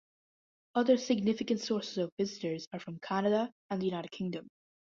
Other significant sources of visitors are from Canada and the United Kingdom.